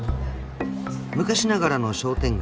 ［昔ながらの商店街］